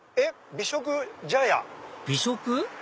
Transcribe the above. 美食？